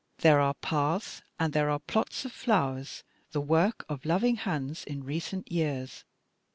There are paths and there are plots of flowers, the work of loving hands in recent years.